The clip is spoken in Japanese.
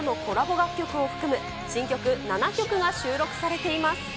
楽曲を含む、新曲７曲が収録されています。